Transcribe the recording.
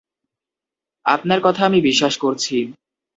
আপনার কথা আমি বিশ্বাস করছি।